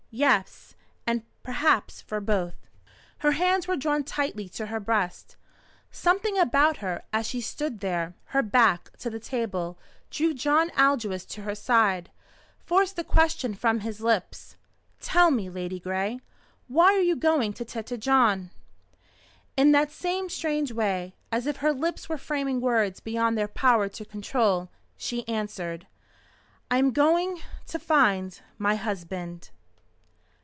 Yes; and perhaps for both." Her hands were drawn tightly to her breast. Something about her as she stood there, her back to the table, drew John Aldous to her side, forced the question from his lips: "Tell me, Ladygray why are you going to Tête Jaune?" In that same strange way, as if her lips were framing words beyond their power to control, she answered: "I am going to find my husband."